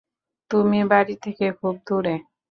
তুমি বাড়ি থেকে খুব দূরে।